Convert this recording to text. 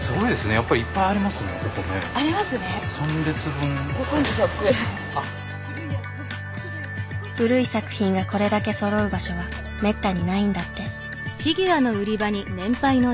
やっぱり古い作品がこれだけそろう場所はめったにないんだって。